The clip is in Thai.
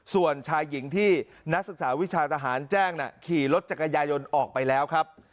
ส่วนชายหญิงที่นักศึกษาวิชาทหารแจ้งขี่รถจักรยายนออกไปแล้วครับ